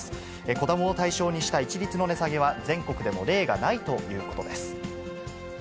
子どもを対象にした一律の値下げは、全国でも例がないということです。